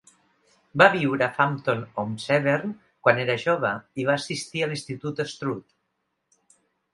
Va viure a Frampton-on-Severn quan era jove i va assistir a l'Institut Stroud.